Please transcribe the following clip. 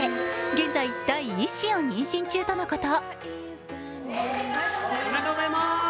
現在、第１子を妊娠中とのこと。